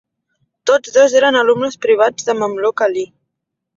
Tots dos eren alumnes privats de Mamluk Ali.